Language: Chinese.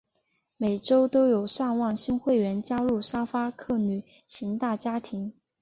每周都有上万新会员加入沙发客旅行大家庭。